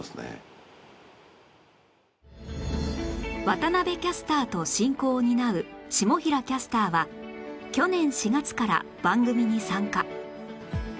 渡辺キャスターと進行を担う下平キャスターは去年４月から番組に参加